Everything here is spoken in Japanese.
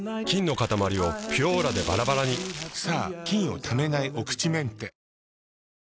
菌のかたまりを「ピュオーラ」でバラバラにさぁ菌をためないお口メンテ。